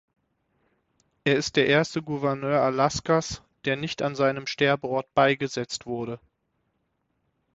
Er ist der erste Gouverneur Alaskas, der nicht an seinem Sterbeort beigesetzt wurde.